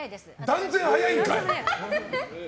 断然速いんかい！